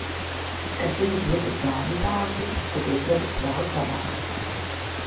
Kad viņa iet uz bērnu dārzu, tad uzvedas daudz labāk.